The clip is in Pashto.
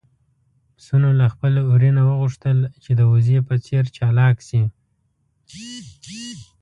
پسونو له خپل وري نه وغوښتل چې د وزې په څېر چالاک شي.